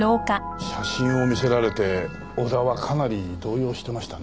写真を見せられて小田はかなり動揺してましたね。